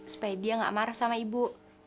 supaya dia gak marah sama ibu